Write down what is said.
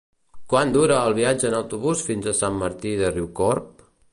Quant dura el viatge en autobús fins a Sant Martí de Riucorb?